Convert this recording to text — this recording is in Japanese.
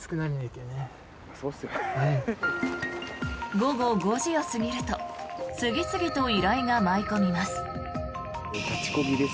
午後５時を過ぎると次々と依頼が舞い込みます。